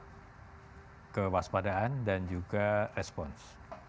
kita harus meningkatkan kewaspadaan dan juga respons